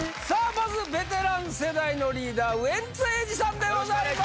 まずベテラン世代のリーダーウエンツ瑛士さんでございます